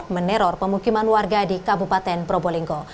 meneror pemukiman warga di kabupaten probolinggo